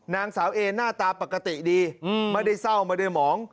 นางสาวเอหน้าตาปกติดีไม่ได้เศร้าไม่ได้หมอง